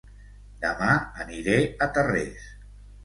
Dema aniré a Tarrés